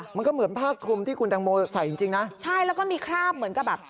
มันก็เหมือนผ้าคลุมที่คุณแตงโมใส่จริงจริงนะใช่แล้วก็มีคราบเหมือนกับแบบ